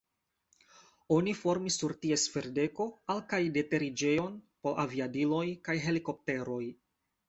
Oni formis sur ties ferdeko al- kaj de-teriĝejon por aviadiloj kaj helikopteroj.